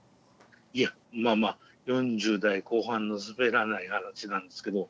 いやまあまあ４０代後半のすべらない話なんですけど。